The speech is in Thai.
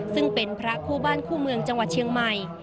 ซึ่งเป็นพระคู่บ้านคู่เมืองจังหวัดเชียงใหม่